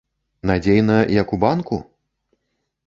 Надзейна, як у банку?